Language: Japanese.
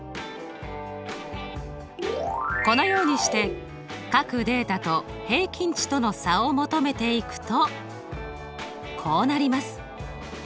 このようにして各データと平均値との差を求めていくとこうなります。